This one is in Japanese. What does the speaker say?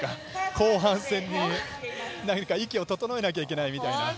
後半戦に息を整えなきゃいけないみたいな。